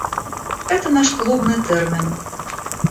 Это наш клубный термин.